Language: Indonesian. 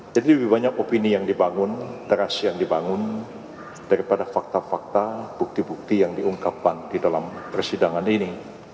jadi lebih banyak opini yang dibangun terasi yang dibangun daripada fakta fakta bukti bukti yang diungkapkan di dalam persidangan ini